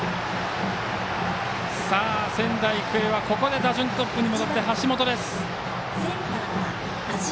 仙台育英は、ここで打順トップに戻って橋本です。